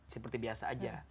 seperti biasa aja